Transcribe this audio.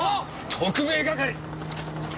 特命係！？